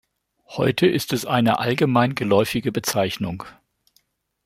Heute ist es eine allgemein geläufige Bezeichnung.